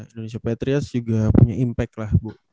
indonesia patriots juga punya impact lah bu